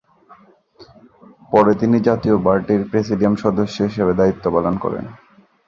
পরে তিনি জাতীয় পার্টির প্রেসিডিয়াম সদস্য হিসাবে দায়িত্ব পালন করেন।